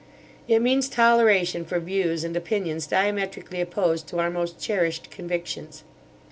It means toleration for views and opinions diametrically opposed to our most cherished convictions.